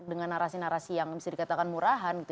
dengan narasi narasi yang bisa dikatakan murahan